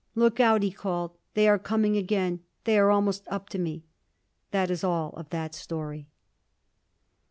"Look out," he called. "They are coming again. They are almost up to me!" That is all of that story.